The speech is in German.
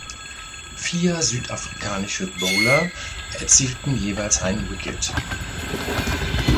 Vier südafrikanische Bowler erzielten jeweils ein Wicket.